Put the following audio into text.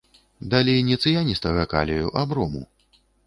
Далі не цыяністага калію, а брому.